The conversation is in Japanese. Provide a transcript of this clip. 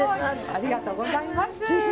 ありがとうございます。